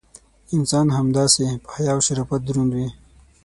انسان همداسې: په حیا او شرافت دروند وي.